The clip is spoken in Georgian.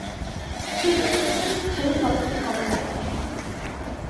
ქვირითს ყრის მთელი ზაფხულის განმავლობაში.